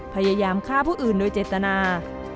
พยายามฆ่าผู้อื่นโดยเจตนา